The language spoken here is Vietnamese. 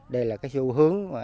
đây là cái xu hướng